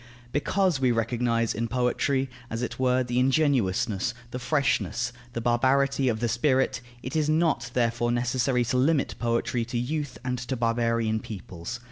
Because we recognize in poetry, as it were, the ingenuousness, the freshness, the barbarity of the spirit, it is not therefore necessary to limit poetry to youth and to barbarian peoples.